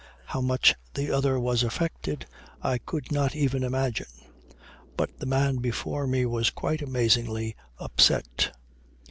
How much the other was affected I could not even imagine; but the man before me was quite amazingly upset.